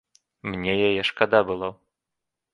Мне яе шкада было.